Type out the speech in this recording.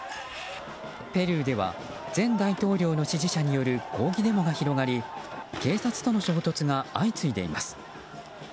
ペルーでは前大統領の支持者による抗議デモが広がり警察との衝突が相次いでいます。